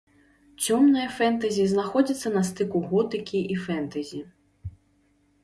Цёмнае фэнтэзі знаходзіцца на стыку готыкі і фэнтэзі.